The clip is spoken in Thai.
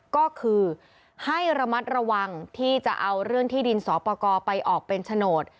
ก็คือให้ระมัดระวังที่จะเอาเรื่องที่ดินสอปกรไปออกเป็นโฉนด